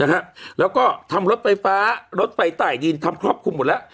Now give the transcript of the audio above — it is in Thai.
แล้วก็ทำรถไฟฟ้ารถไฟใต้ดินทำครอบคลุมหมดแล้ว